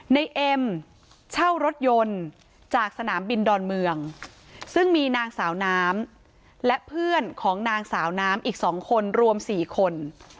ในเอ็มเช่ารถยนต์จากสนามบินดอนเมืองซึ่งมีนางสาวน้ำและเพื่อนของนางสาวน้ำอีก๒คนรวม๔คน